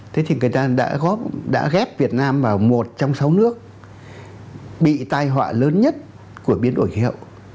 thế thì người ta đã ghép việt nam vào một trong sáu nước bị tai họa lớn nhất của biến đổi khí hậu